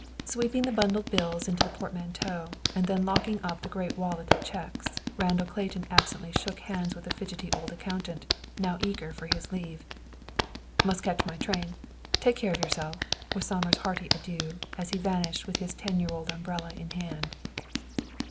Sweeping the bundled bills into the portmanteau, and then locking up the great wallet of cheques, Randall Clayton absently shook hands with the fidgety old accountant, now eager for his leave. "Must catch my train. Take care of yourself," was Somers' hearty adieu, as he vanished with his ten year old umbrella in hand.